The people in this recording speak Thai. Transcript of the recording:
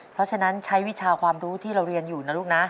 เพราะฉะนั้นใช้วิชาความรู้ที่เราเรียนอยู่นะลูกนะ